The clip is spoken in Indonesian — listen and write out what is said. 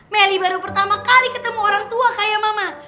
melly baru pertama kali ketemu orang tua kayak mama